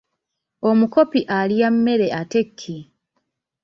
Omukopi alya mmere ate ki?